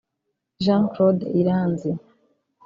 Jean Claude Iranzi